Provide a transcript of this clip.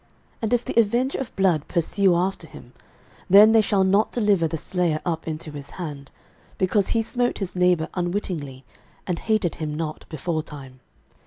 06:020:005 And if the avenger of blood pursue after him, then they shall not deliver the slayer up into his hand; because he smote his neighbour unwittingly, and hated him not beforetime.